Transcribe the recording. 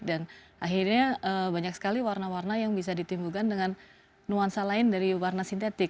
dan akhirnya banyak sekali warna warna yang bisa ditimbulkan dengan nuansa lain dari warna sintetik